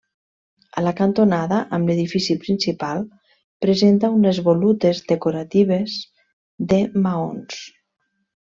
A la cantonada amb l'edifici principal presenta unes volutes decoratives de maons.